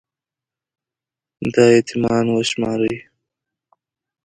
دا يـتـيـمـان وشمارئ